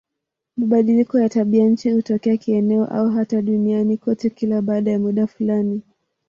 Mabadiliko ya tabianchi hutokea kieneo au hata duniani kote kila baada ya muda fulani.